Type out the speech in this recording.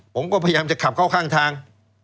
ผมก็พยายามจะขับเข้าข้างทาง